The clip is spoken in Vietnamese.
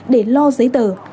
để lo giấy tờ